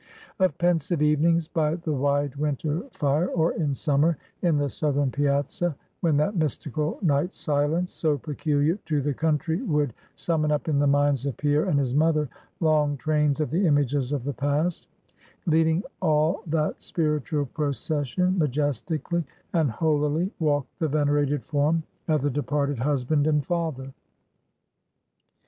Of pensive evenings, by the wide winter fire, or in summer, in the southern piazza, when that mystical night silence so peculiar to the country would summon up in the minds of Pierre and his mother, long trains of the images of the past; leading all that spiritual procession, majestically and holily walked the venerated form of the departed husband and father.